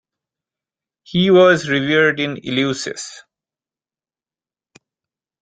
He was revered in Eleusis.